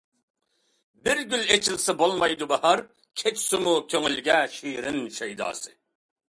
بىر گۈل ئېچىلسا بولمايدۇ باھار، كەچسىمۇ كۆڭۈلگە شېرىن شەيداسى.